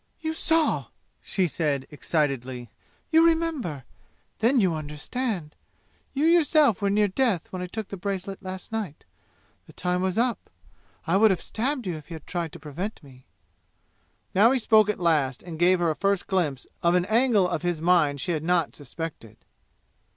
"You saw?" she said excitedly. "You remember? Then you understand! You yourself were near death when I took the bracelet last night. The time was up. I would have stabbed you if you had tried to prevent me!" Now he spoke at last and gave her a first glimpse of an angle of his mind she had not suspected.